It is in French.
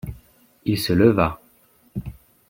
Il se leva.